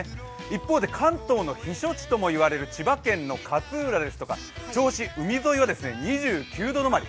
一方で関東の避暑地ともいわれる千葉県の勝浦ですとか銚子、海沿いは２９度止まり。